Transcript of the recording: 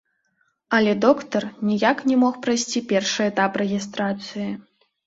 Але доктар ніяк не мог прайсці першы этап рэгістрацыі.